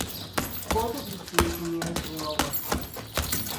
Bordovichi is the nearest rural locality.